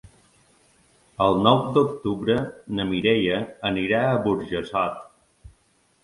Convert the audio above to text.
El nou d'octubre na Mireia anirà a Burjassot.